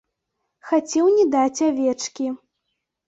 Хацеў не даць авечкі.